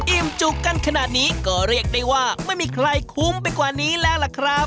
อิ่มจุกกันขนาดนี้ก็เรียกได้ว่าไม่มีใครคุ้มไปกว่านี้แล้วล่ะครับ